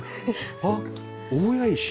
あっ大谷石。